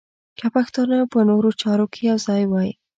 که پښتانه په نورو چارو کې یو ځای وای.